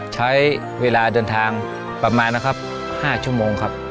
ใช้เวลาเดินทางประมาณนะครับ๕ชั่วโมงครับ